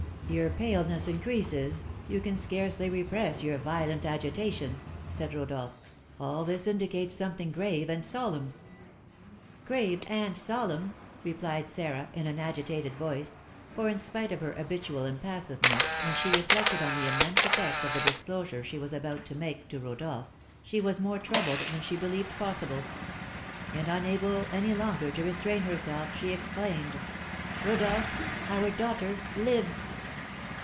"Your paleness increases, you can scarcely repress your violent agitation," said Rodolph; "all this indicates something grave and solemn." "Grave and solemn!" replied Sarah, in an agitated voice; for, in spite of her habitual impassiveness, when she reflected on the immense effect of the disclosure she was about to make to Rodolph, she was more troubled than she believed possible; and, unable any longer to restrain herself, she exclaimed, "Rodolph, our daughter lives!"